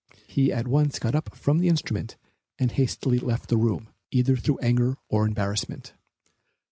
He at once got up from the instrument and hastily left the room, either through anger or embarrassment.